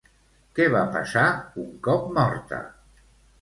Què va passar un cop morta?